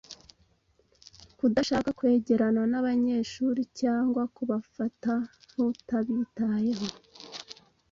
kudashaka kwegerana n’abanyeshuri cyangwa kubafata nk’utabitayeho,